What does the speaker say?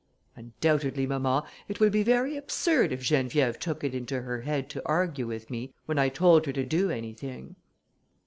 "Undoubtedly, mamma, it would be very absurd if Geneviève took it into her head to argue with me, when I told her to do anything."